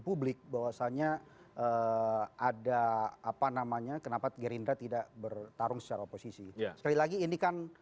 publik bahwasannya ada apa namanya kenapa gerindra tidak bertarung secara oposisi sekali lagi ini kan